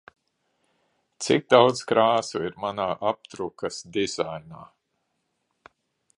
Cik daudz krāsu ir manā apdrukas dizainā?